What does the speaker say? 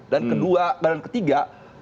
dan kedua dan ketiga